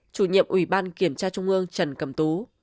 chủ nhiệm ủy ban kiểm tra trung ương trần cầm tú